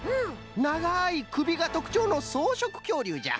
ながいくびがとくちょうのそうしょくきょうりゅうじゃ。